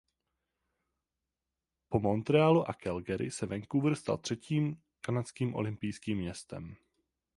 Po Montrealu a Calgary se Vancouver stal třetím kanadským olympijským městem.